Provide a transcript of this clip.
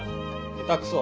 下手くそ！